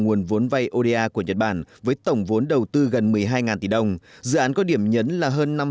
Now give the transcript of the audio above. nguồn vốn vay oda của nhật bản với tổng vốn đầu tư gần một mươi hai tỷ đồng dự án có điểm nhấn là hơn